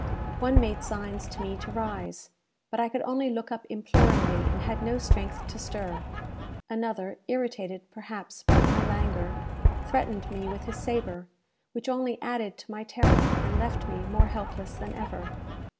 One made signs to me to rise, but I could only look up imploringly, and had no strength to stir. Another, irritated, perhaps, by my languor, threatened me with his sabre, which only added to my terror, and left me more helpless than ever.